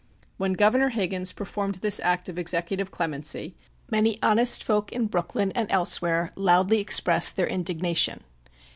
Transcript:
When Governor Higgins performed this act of executive clemency, many honest folk in Brooklyn and elsewhere loudly expressed their indignation.